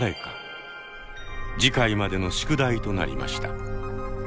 次回までの宿題となりました。